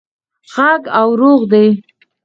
ږغ او ږوغ دی.